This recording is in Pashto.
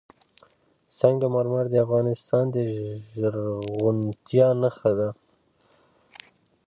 سنگ مرمر د افغانستان د زرغونتیا نښه ده.